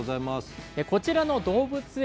こちらの動物園